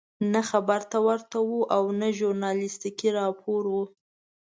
نه خبر ته ورته وو او نه ژورنالستیکي راپور وو.